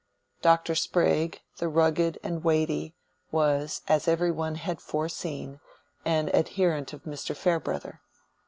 Dr. Sprague, the rugged and weighty, was, as every one had foreseen, an adherent of Mr. Farebrother.